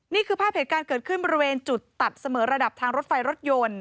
นี่คือภาพเหตุการณ์เกิดขึ้นบริเวณจุดตัดเสมอระดับทางรถไฟรถยนต์